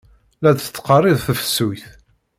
La d-tettqerrib tefsut.